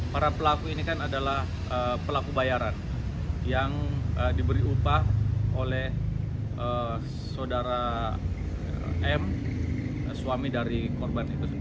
para pelaku ini kan adalah pelaku bayaran yang diberi upah oleh saudara m suami dari korban itu